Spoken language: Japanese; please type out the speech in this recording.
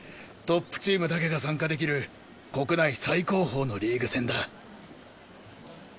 トップチームだけが参加できる国内最高峰のリーグ戦だ。